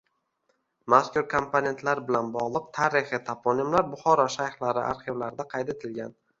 Mazkur komponentlar bilan bog‘liq tarixiy toponimlar Buxoro shayxlari arxivlarida qayd etilgan